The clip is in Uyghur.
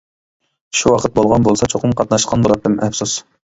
شۇ ۋاقىت بولغان بولسا چوقۇم قاتناشقان بولاتتىم، ئەپسۇس.